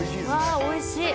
おいしい！